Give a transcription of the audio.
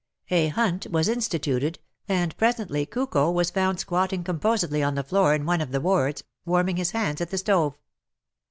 A hunt was instituted, and presently Kuko was found squatting composedly on the floor in one of the wards, warming his hands at the stove.